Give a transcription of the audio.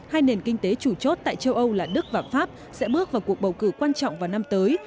hai nền kinh tế chủ chốt tại châu âu là đức và pháp sẽ bước vào cuộc bầu cử quan trọng vào năm tới